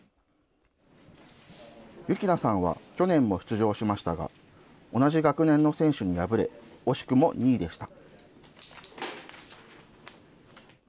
喜なさんは去年も出場しましたが、同じ学年の選手に敗れ、惜しくも２位でした。